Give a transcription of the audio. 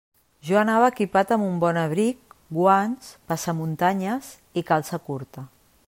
Jo anava equipat amb un bon abric, guants, passamuntanyes i calça curta.